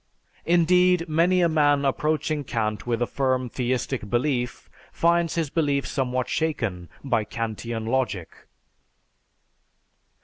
Indeed, many a man approaching Kant with a firm theistic belief finds his belief somewhat shaken by Kantian logic.